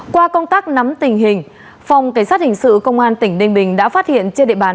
qua công tác nắm tình hình phòng cảnh sát hình sự công an tỉnh ninh bình đã phát hiện trên địa bàn